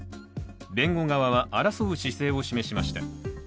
弁護側は争う姿勢を示しました。